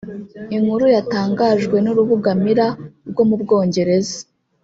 Inkuru yatanganjwe n’urubuga Mirror rwo mu Bwongereza